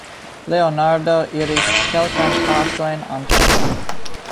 Leonardo iris kelkajn paŝojn antaŭen.